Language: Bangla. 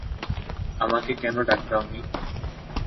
আমাকে কেন ডাক দেওনি?